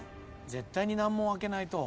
絶対に難問あけないと。